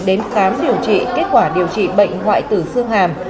đến khám điều trị kết quả điều trị bệnh hoại tử xương hàm